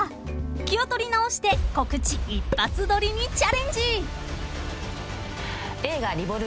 気を取り直して告知一発撮りにチャレンジ］